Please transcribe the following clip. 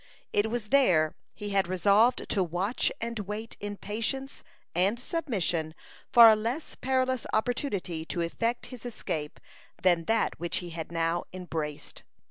It was there he had resolved to watch and wait in patience and submission for a less perilous opportunity to effect his escape than that which he had now embraced.